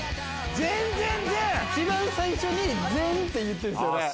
一番最初に「前」って言ってるんですよね？